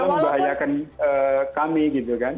membahayakan kami gitu kan